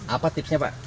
apa tipsnya pak